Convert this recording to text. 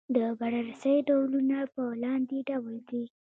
د بررسۍ ډولونه په لاندې ډول دي.